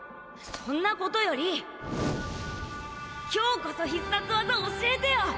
そんな事より今日こそ必殺技教えてよ！